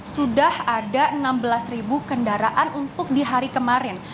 sudah ada enam belas kendaraan untuk di hari kemarin